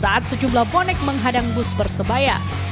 saat sejumlah bonek menghadang bus persebaya